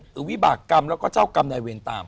หรือวีบากกรรมและเจ้ากรรมในเวรตาม